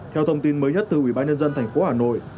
theo thông tin mới nhất từ ủy ban nhân dân thành phố hà nội